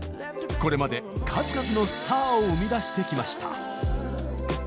これまで数々のスターを生み出してきました。